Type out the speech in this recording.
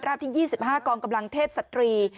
ที่๒๕กองกำลังเทพสตรี